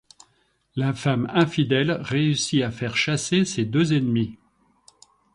La femme infidèle réussit à faire chasser ses deux ennemis.